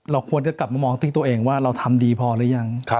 ควรจะกลับมามองที่ตัวเองว่าเราทำดีพอหรือยัง